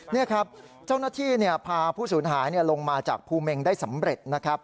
นี่ครับเจ้าหน้าที่พาผู้สูญหายลงมาจากภูเมงได้สำเร็จนะครับ